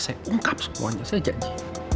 saya ungkap semuanya saya janji